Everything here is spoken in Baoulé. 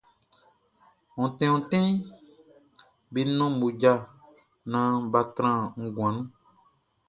Ontin ontin be nɔn mmoja naan bʼa tran nguan nun.